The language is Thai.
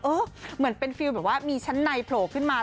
เหมือนเป็นฟิลแบบว่ามีชั้นในโผล่ขึ้นมา